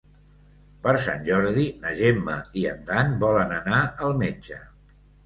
Per Sant Jordi na Gemma i en Dan volen anar al metge.